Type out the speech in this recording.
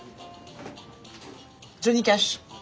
☎ジョニー・キャッシュ。